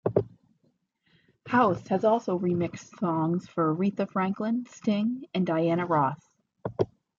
Hauss has also remixed songs for Aretha Franklin, Sting, and Diana Ross.